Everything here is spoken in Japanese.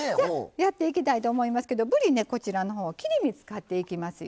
やっていきたいと思いますけどぶりねこちらのほう切り身使っていきますよ。